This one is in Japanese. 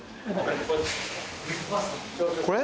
これ？